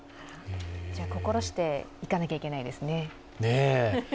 じゃ、心して行かなきゃいけないですね。